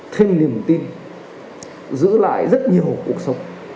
thêm niềm tin giữ lại rất nhiều cuộc sống